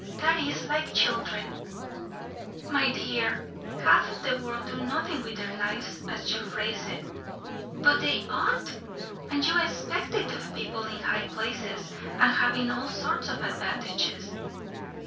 That is like children." "My dear, half the world do nothing with their lives, as you phrase it." "But they ought. And you expect it of people in high places, and having all sorts of advantages."